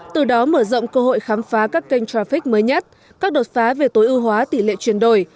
từ đó mở rộng cơ hội khám phá các kênh traffic mới nhất các đột phá về tối ưu hóa tỷ lệ chuyển đổi